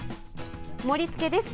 盛りつけです。